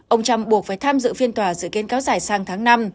ông trump buộc phải tham dự phiên tòa dự kiến cáo giải sang tháng năm